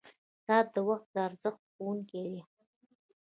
• ساعت د وخت د ارزښت ښوونکی دی.